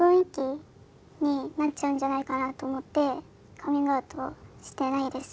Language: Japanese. カミングアウトしてないです。